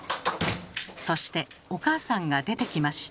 そしてお母さんが出てきました。